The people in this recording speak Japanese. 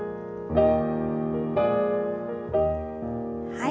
はい。